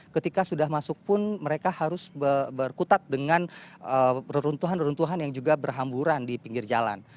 ketika sudah masuk pun mereka harus berkutat dengan reruntuhan reruntuhan yang juga berhamburan di pinggir jalan